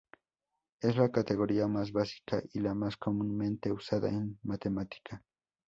Es la categoría más básica y la más comúnmente usada en matemática.